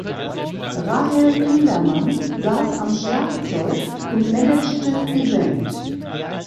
Rahel Kindermann sass am Schlagzeug und managte die Band.